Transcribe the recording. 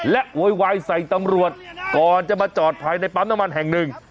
และโวยวายใส่ตำรวจก่อนจะมาจอดภายในปั๊มน้ำมันแห่งหนึ่ง